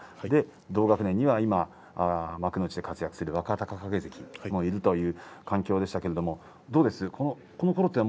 同学年には今、幕内で活躍する若隆景関もいるという環境でしたけれどもどうですか、このころというのは